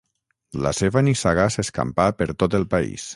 La seva nissaga s'escampà per tot el país.